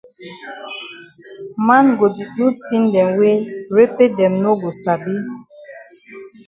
Man go di do tin dem wey repe dem no go sabi.